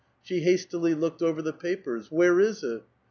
She hastily looked over the papers ; where is it?